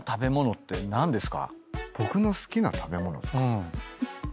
僕の好きな食べ物ですか？